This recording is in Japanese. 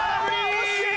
惜しい！